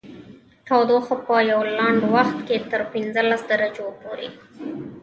تودوخه په یوه لنډ وخت کې تر پنځلس درجو پورته شوه